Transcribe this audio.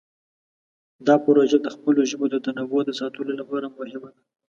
دا پروژه د خپلو ژبو د تنوع د ساتلو لپاره مهمه ده.